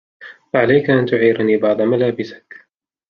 عليك أن تعيرني بعض ملابسك.